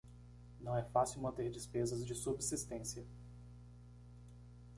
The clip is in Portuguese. Não é fácil manter despesas de subsistência